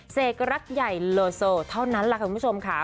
เสกรักใหญ่โลโซเท่านั้นแหละค่ะคุณผู้ชมค่ะ